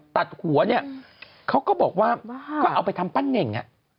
ตัดหัวเนี่ยเขาก็บอกว่าก็เอาไปทำปั้นเน่ง